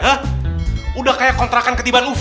sudah kayak kontrakan ketibaan ufo